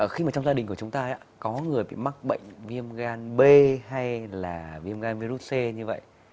khi mà trong gia đình của chúng ta có người bị mắc bệnh viêm gan b hay là viêm gan virus c như vậy